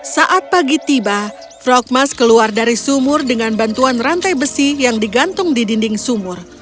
saat pagi tiba frogmas keluar dari sumur dengan bantuan rantai besi yang digantung di dinding sumur